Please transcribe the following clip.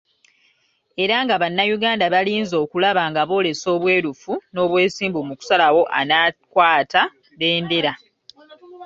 Era nga bannayuganda balinze okulaba nga boolesa obwerufu n’obwesimbu mu kusalawo anaakwata bbendera.